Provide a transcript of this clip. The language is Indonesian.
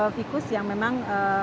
fokus yang memang